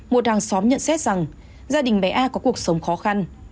một hàng xóm nhận xét rằng gia đình bé a có cuộc sống khó khăn